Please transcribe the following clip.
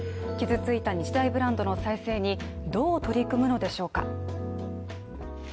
傷ついた日大ブランドの再生にどう取り組むのでしょうか。